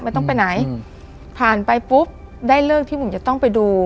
ไม่ต้องไปไหนผ่านไปปุ๊บได้เลิกที่บุ๋มจะต้องไปดู